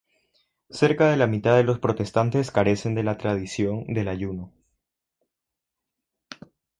Cerca de la mitad de los protestantes carecen de la tradición del ayuno.